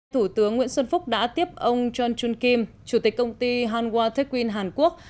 thủ tướng nguyễn xuân phúc đã tiếp ông john chun kim chủ tịch công ty hanwha techwin hàn quốc